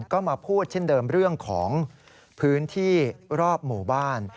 ก็มาพูดเช่นเดิมเรื่องของพื้นที่รอบหมู่บ้าน